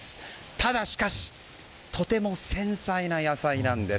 ただしかしとても繊細な野菜なんです。